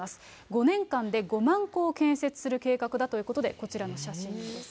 ５年間で５万戸を建設する計画だということで、こちらの写真です。